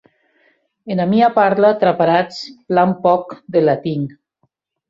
Ena mia parla traparatz plan pòc de latin.